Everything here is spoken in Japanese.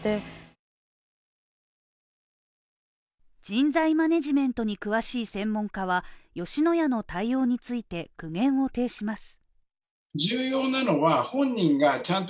人材マネジメントに詳しい専門家は吉野家の対応について、苦言を呈します。